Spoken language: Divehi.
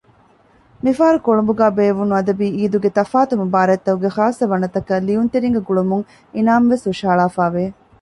މިފަހަރު ކޮޅުނބުގައި ބޭއްވުނު އަދަބީ އީދުގެ ތަފާތު މުބާރާތްތަކުގެ ޚާއްޞަ ވަނަތަކަށް ލިޔުންތެރީންގެ ގުޅުމުން އިނާމު ވެސް ހުށަހަޅާފައިވެ